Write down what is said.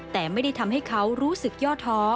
แต่ไม่ได้ทำให้เขารู้สึกย่อท้อ